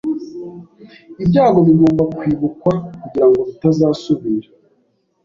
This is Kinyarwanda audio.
Ibyago bigomba kwibukwa kugirango bitazasubira.